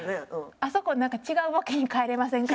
あそこなんか違うボケに変えれませんか？